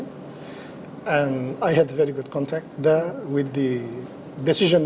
dan saya berhubungan dengan pembuat keputusan kpi